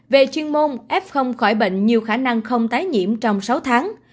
về chuyên môn f khỏi bệnh nhiều khả năng không tái nhiễm trong sáu tháng